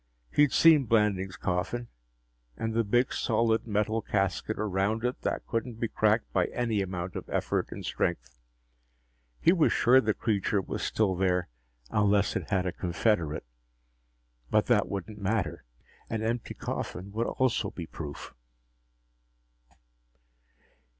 He'd seen Blanding's coffin and the big, solid metal casket around it that couldn't be cracked by any amount of effort and strength. He was sure the creature was still there, unless it had a confederate. But that wouldn't matter. An empty coffin would also be proof.